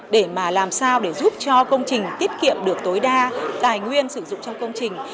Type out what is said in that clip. để làm sao giúp cho công trình tiết kiệm được tối đa tài nguyên sử dụng trong công trình